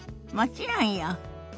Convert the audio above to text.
もちろんよ。